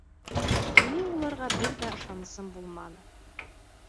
Минең уларға бер ҙә ышанысым булманы.